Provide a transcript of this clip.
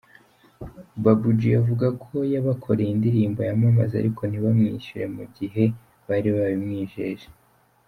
Babu G avuga ko yabakoreye indirimbo yamamaza ariko ntibamwishyure mu gihe bari babimwijeje.